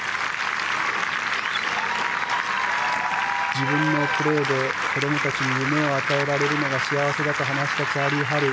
自分のプレーで子どもたちに夢を与えられるのが幸せだと話したチャーリー・ハル。